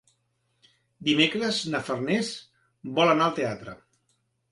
Dimecres na Farners vol anar al teatre.